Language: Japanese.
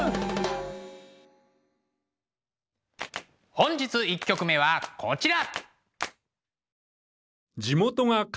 本日１曲目はこちら。